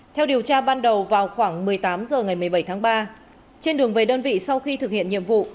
theo điều tra ban đầu vào khoảng một mươi tám h ngày một mươi bảy tháng ba trên đường về đơn vị sau khi thực hiện nhiệm vụ